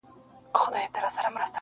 کرۍ ورځ توري ګولۍ وې چلېدلې -